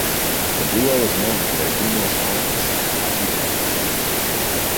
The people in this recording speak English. The duo is known for their humorous rhymes and catchy hooks.